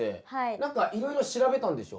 何かいろいろ調べたんでしょ？